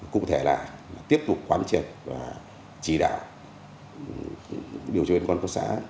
cụ thể là tiếp tục quán triệt và chỉ đạo điều tra viên quán cấp xã